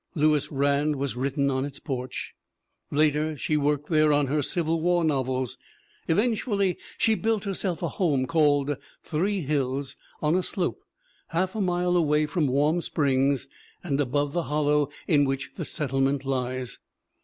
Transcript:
Lewis Rand was written on its porch; later she worked there on her Civil War novels. Eventually she built herself a home called Three Hills on a slope half a mile away from Warm Springs and above the hollow in which the settlement lies.